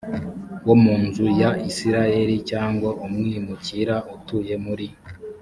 wo mu nzu ya isirayeli cyangwa umwimukira utuye muri